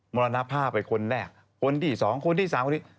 มรณภาพไปคนแรกคนที่สองคนที่สามคนนี้